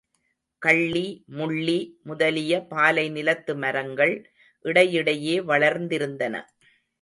கள்ளி, முள்ளி முதலிய பாலைநிலத்து மரங்கள் இடையிடையே வளர்ந்திருந்தன.